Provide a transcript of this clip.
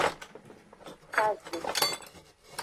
Kave.